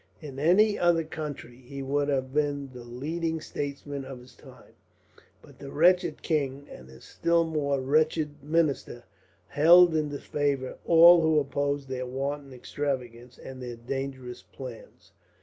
In any other country he would have been the leading statesman of his time, but the wretched king, and his still more wretched minister, held in disfavour all who opposed their wanton extravagance and their dangerous plans.